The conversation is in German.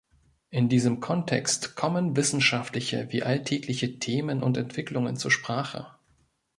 In diesem Kontext kommen wissenschaftliche wie alltägliche Themen und Entwicklungen zur Sprache.